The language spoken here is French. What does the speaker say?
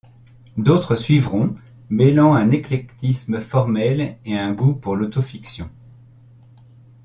D’autres suivront, mêlant un éclectisme formel et un goût pour l’auto-fiction.